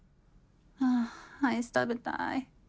はぁアイス食べたい。